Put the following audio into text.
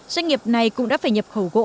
doanh nghiệp này cũng đã phải nhập khẩu gỗ